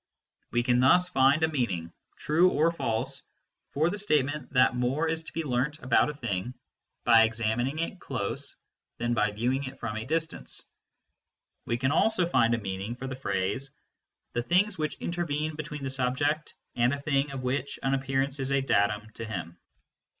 We can thus find a meaning, true or false, for the statement that more is to 164 MYSTICISM AND LOGIC be learnt about a thing by examining it close to than by viewing it from a distance. We can also find a meaning for the phrase " the things which intervene between the subject and a thing of which an appearance is a datum to him."